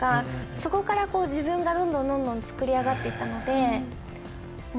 そこからこう自分がどんどんどんどんつくり上がって行ったので。